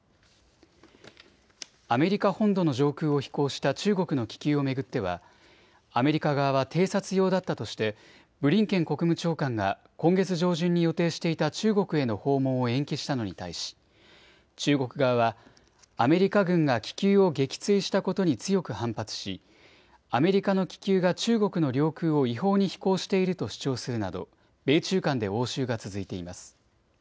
アメリカ本土の上空を飛行した中国の気球を巡ってはアメリカ側は偵察用だったとしてブリンケン国務長官が今月上旬に予定していた中国への訪問を延期したのに対し、中国側はアメリカ軍が気球を撃墜したことに強く反発し、アメリカの気球が中国の領空を違法に飛行していると主張するなど米中間で応酬が続いています。